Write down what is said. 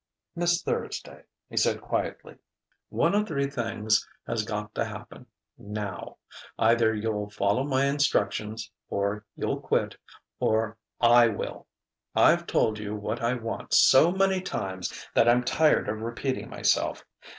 "Miss Thursday," he said quietly, "one of three things has got to happen now: either you'll follow my instructions, or you'll quit, or I will. I've told you what I want so many times that I'm tired repeating myself.